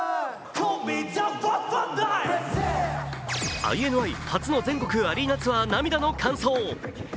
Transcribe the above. ＩＮＩ初の全国アリーナツアー涙の完走。